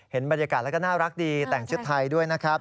เห็นบรรยากาศแล้วก็น่ารักดีแต่งชุดไทยด้วยนะครับ